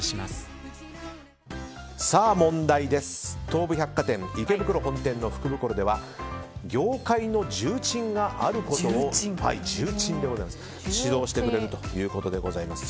東武百貨店池袋本店の福袋では業界の重鎮があることを指導してくれるということです。